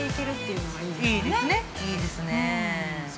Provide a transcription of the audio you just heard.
◆いいですね。